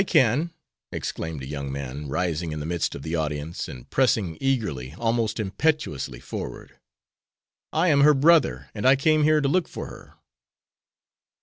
"I can," exclaimed a young man, rising in the midst of the audience, and pressing eagerly, almost impetuously, forward. "I am her brother, and I came here to look for her."